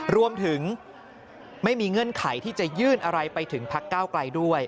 รวมถึงไม่มีเงื่อนไขที่จะยื่นอะไรไปถึงพักก้าวไกลด้วย